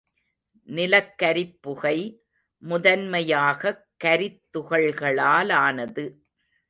நிலக்கரிப்புகை முதன்மையாகக் கரித் துகள்களாலானது.